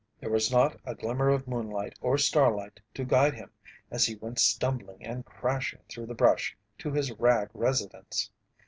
There was not a glimmer of moonlight or starlight to guide him as he went stumbling and crashing through the brush to his rag residence.